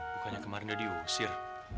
bukannya kemarin udah diusir